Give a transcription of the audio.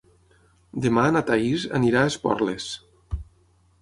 Demà na Thaís anirà a Esporles.